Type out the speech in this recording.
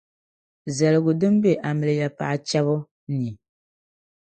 Zaligu din be amiliya paɣa chεbu ni.